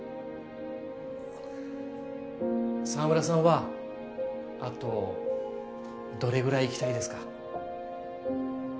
澤村さんはあとどれぐらい生きたいですか？